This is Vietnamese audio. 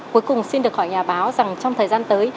cuối cùng xin được hỏi nhà báo rằng trong thời gian tới